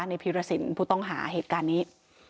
พีรสินผู้ต้องหาเหตุการณ์นี้